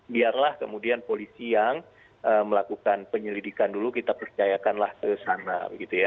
biarlah kemudian polisi yang melakukan penyelidikan dulu kita percayakanlah ke sana gitu ya